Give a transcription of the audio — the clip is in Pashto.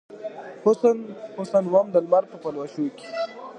حسن ، حسن وم دلمر په پلوشو کې